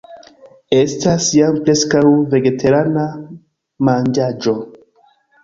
Estas jam preskaŭ vegetarana manĝaĵo